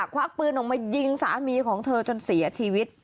ควักปืนออกมายิงสามีของเธอจนเสียชีวิต